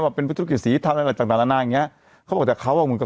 ว่าเป็นภูติธุรกิจศรีทำอะไรต่างต่างอย่างเงี้ยเขาบอกว่าเขาว่าเหมือนกับ